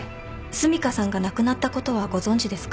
澄香さんが亡くなったことはご存じですか？